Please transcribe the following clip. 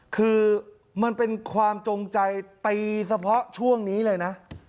คือมันเป็นความจงใจตีเฉพาะช่วงนี้เลยนะ